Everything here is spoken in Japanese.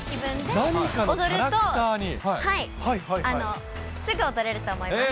踊ると、すぐ踊れると思います。